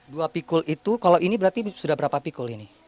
dua pikul itu kalau ini berarti sudah berapa pikul ini